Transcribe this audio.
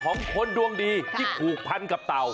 ของคนดวงดีที่ผูกพันกับเต่า